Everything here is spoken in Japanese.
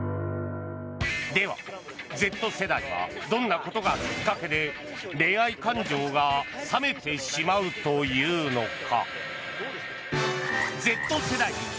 では、Ｚ世代はどんなことがきっかけで恋愛感情が冷めてしまうというのか。